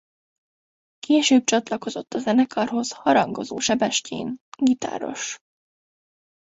Később csatlakozott a zenekarhoz Harangozó Sebestyén gitáros.